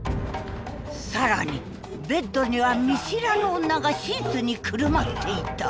更にベッドには見知らぬ女がシーツにくるまっていた。